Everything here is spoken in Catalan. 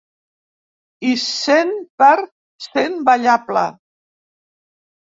I cent per cent ballable.